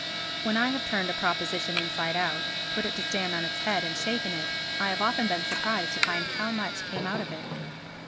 When I have turned a proposition inside out, put it to stand on its head, and shaken it, I have often been surprised to find how much came out of it.